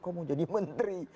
kau mau jadi menteri